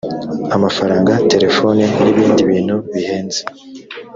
amafaranga terefoni n ibindi bintu bihenze